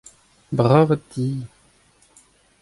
Bravat ti !